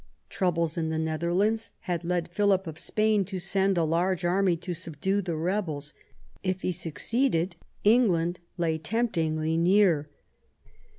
Troubles in the Netherlands had led Philip of Spain to send a large army to subdue the rebels ; if it suc ceeded, England lay temptingly near.